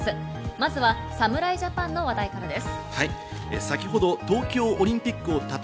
まずは侍ジャパンの話題からです。